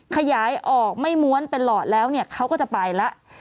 ขยายออกไม่ม้วนเป็นหลอดแล้วเนี่ยเขาก็จะไปแล้ว